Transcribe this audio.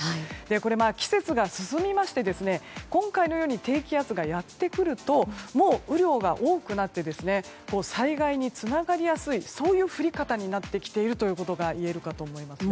これは季節が進みまして今回のように低気圧がやってくるともう雨量が多くなって災害につながりやすいそういう降り方になってきているということが言えるかと思いますね。